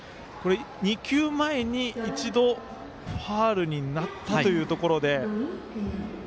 ２球前に一度、ファウルになったというところで。